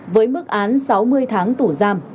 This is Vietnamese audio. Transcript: với mức án sáu mươi tháng tủ giam